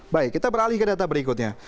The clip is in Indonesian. baik kita beralih ke data berikutnya